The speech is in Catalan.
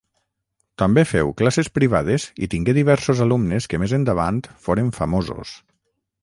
També féu classes privades i tingué diversos alumnes que més endavant foren famosos.